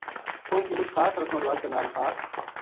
قوم کی مُچ خاص رسم ورواج کے نال نال خاص